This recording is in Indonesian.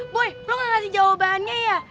boy lo gak ngasih jawabannya ya